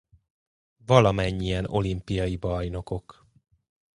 Valamennyien olimpiai bajnokok.